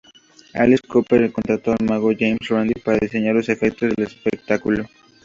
Alice Cooper contrató al mago James Randi para diseñar los efectos del espectáculo.